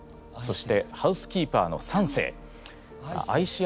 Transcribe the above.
そしてハウスキーパーのサンセイ。